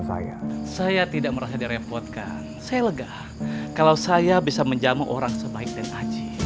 saya saya tidak merasa direpotkan saya lega kalau saya bisa menjamu orang sebaiknya